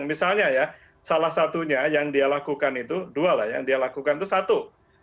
misalnya salah satunya yang dia lakukan itu satu